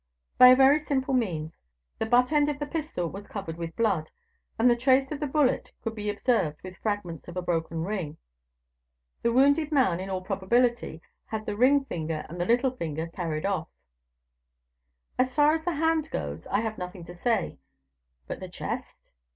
"By a very simple means; the butt end of the pistol was covered with blood, and the trace of the bullet could be observed, with fragments of a broken ring. The wounded man, in all probability, had the ring finger and the little finger carried off." "As far as the hand goes, I have nothing to say; but the chest?"